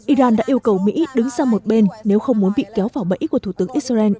iran đã yêu cầu mỹ đứng sang một bên nếu không muốn bị kéo vào bẫy của thủ tướng israel